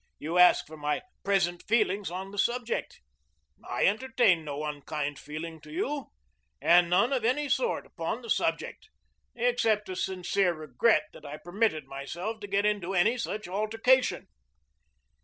You ask for my 'present feelings on the subject.' I entertain no unkind feeling to you, and none of any sort upon the subject, except a sincere regret that I permitted myself to get into any such altercation."